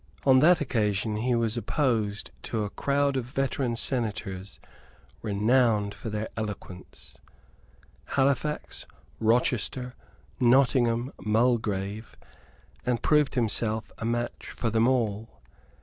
On that occasion he was opposed to a crowd of veteran senators renowned for their eloquence, Halifax, Rochester, Nottingham, Mulgrave, and proved himself a match for them all.